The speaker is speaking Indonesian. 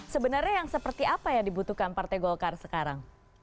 sebenarnya yang seperti apa yang dibutuhkan partai golkar sekarang